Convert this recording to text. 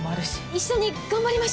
一緒に頑張りましょう。